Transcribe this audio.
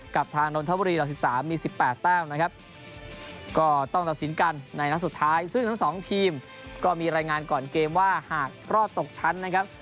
กับทางนนทบุรีหลัก๑๓มี๑๘แต้มนะครับก็ต้องตัดสินกันในนัดสุดท้ายซึ่งทั้งสองทีมก็มีรายงานก่อนเกมว่าหากรอดตกชั้นนะครับ